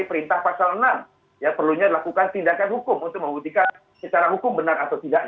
menyampaikan permohonan maaf kepada bung karno dan keluarganya